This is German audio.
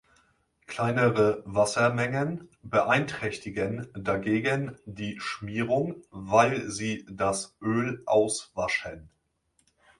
Kleinere Wassermengen beeinträchtigen dagegen die Schmierung, weil sie das Öl auswaschen.